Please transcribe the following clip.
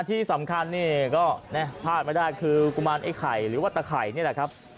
ที่สำคัญนี่ก็พลาดไม่ได้คือกุมารไอ้ไข่หรือว่าตะไข่นี่แหละครับ